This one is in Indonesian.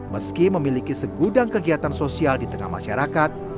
meski memiliki segudang kegiatan sosial di tengah masyarakat